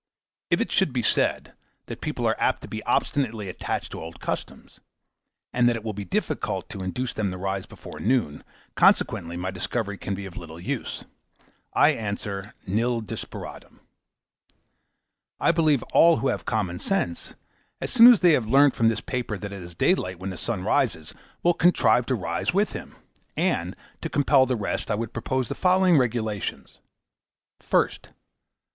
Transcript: If it should be said, that people are apt to be obstinately attached to old customs, and that it will be difficult to induce them to rise before noon, consequently my discovery can be of little use; I answer, Nil desperandum. I believe all who have common sense, as soon as they have learnt from this paper that it is daylight when the sun rises, will contrive to rise with him; and, to compel the rest, I would propose the following regulations; First.